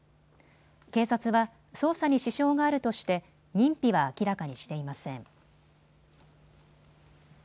警察は捜査に支障があるとして認否は明らかにしていません。